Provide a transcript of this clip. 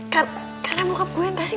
kan karena bokap gue yang kasih